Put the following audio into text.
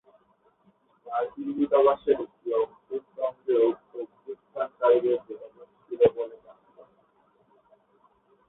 মার্কিন দূতাবাসের একটি অংশের সঙ্গেও অভ্যুত্থানকারীদের যোগাযোগ ছিল বলে জানা যায়।